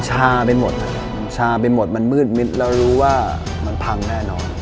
ชาเป็นหมดมันชาเป็นหมดมันมืดมิดเรารู้ว่ามันพังแน่นอน